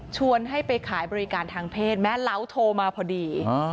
ให้ไปขายบริการทางเพศแม้เหลาโทรมาพอดี